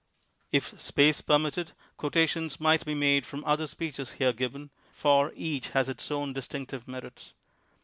If space permitted quotations might be made from other speeches here given, for each has its own distinctive merits.